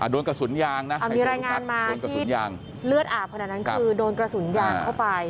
โดนกระสุนยางนะอันนี้รายงานมาที่เลือดอาบขนาดนั้นคือโดนกระสุนยางเข้าไป